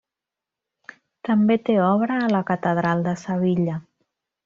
També té obra a la catedral de Sevilla.